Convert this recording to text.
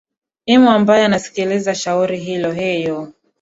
imu ambaye anasikiliza shauri hilo hey loh